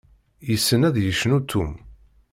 Yessen ad yecnu Ṭum?